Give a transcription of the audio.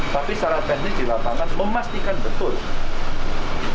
tapi secara teknis di lapangan memastikan betul